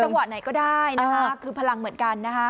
วะไหนก็ได้นะคะคือพลังเหมือนกันนะคะ